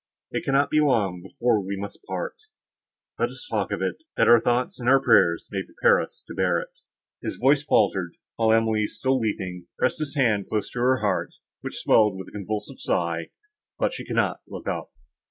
It cannot be long before we must part; let us talk of it, that our thoughts and our prayers may prepare us to bear it." His voice faltered, while Emily, still weeping, pressed his hand close to her heart, which swelled with a convulsive sigh, but she could not look up.